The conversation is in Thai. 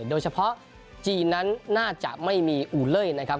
โดยเฉพาะจีนนั้นน่าจะไม่มีอูเล่ยนะครับ